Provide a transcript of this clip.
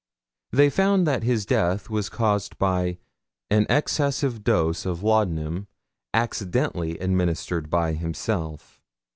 They found that his death was caused by 'an excessive dose of laudanum, accidentally administered by himself.'